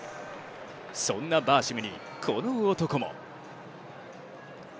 そんなバーシムに、この男も。